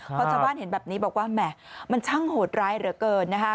เพราะชาวบ้านเห็นแบบนี้บอกว่าแหม่มันช่างโหดร้ายเหลือเกินนะคะ